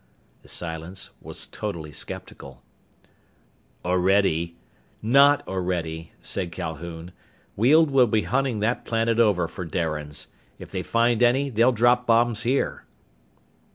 The silence was totally skeptical. "Orede " "Not Orede," said Calhoun. "Weald will be hunting that planet over for Darians. If they find any, they'll drop bombs here."